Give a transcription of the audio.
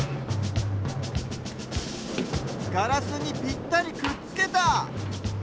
ガラスにぴったりくっつけた！